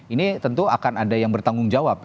ini tentu akan ada yang bertanggung jawab